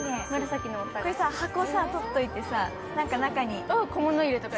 これ箱とっといてさ、中に小物入れとか。